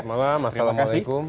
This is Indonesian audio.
selamat malam mas assalamualaikum